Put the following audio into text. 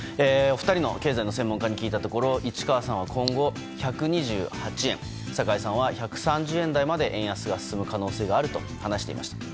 お二人の経済の専門家に聞いたところ市川さんは今後１２８円酒井さんは１３０円台まで円安が進む可能性があると話していました。